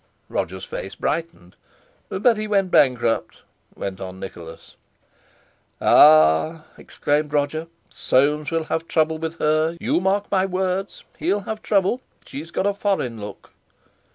Roger's face brightened. "But he went bankrupt," went on Nicholas. "Ah!" exclaimed Roger, "Soames will have trouble with her; you mark my words, he'll have trouble—she's got a foreign look."